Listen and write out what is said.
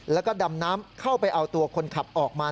แล้วก็ดำน้ำเข้าไปเอาตัวคนขับออกมา